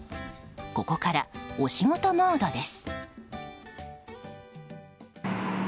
ここからお仕事モードです。